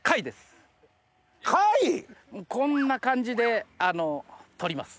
貝⁉こんな感じで取ります。